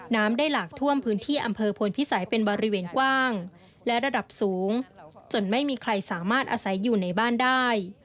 น้ำได้หลากท่วมพื้นที่อำเภอพลพิสัยเป็นบริเวณกว้างและระดับสูงจนไม่มีใครสามารถอาศัยอยู่ในบ้านได้